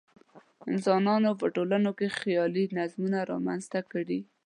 انسانانو په ټولنو کې خیالي نظمونه رامنځته کړي.